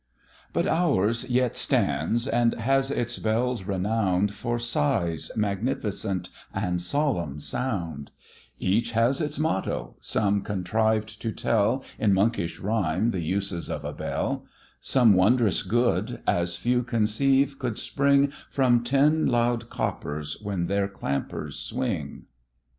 But ours yet stands, and has its Bells renown'd For size magnificent and solemn sound; Each has its motto: some contrived to tell, In monkish rhyme, the uses of a bell; Such wond'rous good, as few conceive could spring From ten loud coppers when their clampers swing.